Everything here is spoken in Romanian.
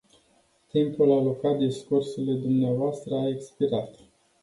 Timpul alocat discursului dumneavoastră a expirat.